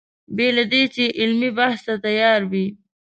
بې له دې چې علمي بحث ته تیار وي.